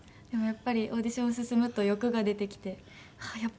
でもやっぱりオーディション進むと欲が出てきてああ